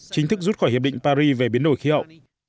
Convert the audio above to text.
chính thức rút khỏi hiệp định paris về biến đổi khí hậu